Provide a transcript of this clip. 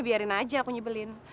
biarin aja aku nyebelin